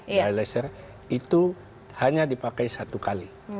dialyzer itu hanya dipakai satu kali